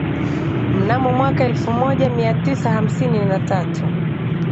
mnamo mwaka elfu moja mia tisa hamsini na tatu